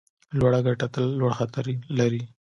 لوړه ګټه تل لوړ خطر لري.